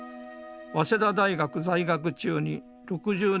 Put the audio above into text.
早稲田大学在学中に６０年安保を経験。